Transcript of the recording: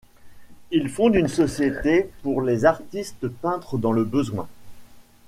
Il fonde une société pour les artistes peintres dans le besoin.